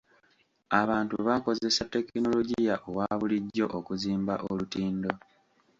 Abantu baakozesa tekinologiya owa bulijjo okuzimba olutindo.